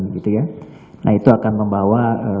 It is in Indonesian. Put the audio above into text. gitu ya nah itu akan membawa